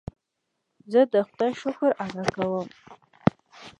زه د خدای شکر ادا کوم.